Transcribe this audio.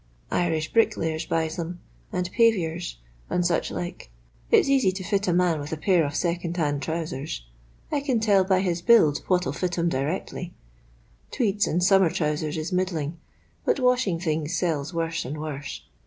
Irish bricklayers buys them, and paviours, arid such like. It's easy to fit a man with a pair of second hand trousers. I can tell by his build what '11 fit him directly. Tweeds and summer trousers is middling, but washing things sells worse and worse.